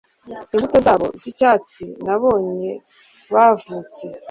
imbuto zabo z'icyatsi, nabonye bavutse